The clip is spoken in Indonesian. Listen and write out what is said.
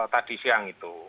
tadi siang itu